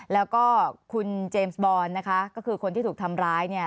แล้วก็คุณเจมส์บอลนะคะก็คือคนที่ถูกทำร้ายเนี่ย